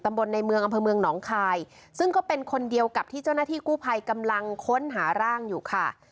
บนในเมืองอำเภอเมืองหนองคายซึ่งก็เป็นคนเดียวกับที่เจ้าหน้าที่กู้ภัยกำลังค้นหาร่างอยู่ค่ะ